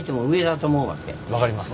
分かります。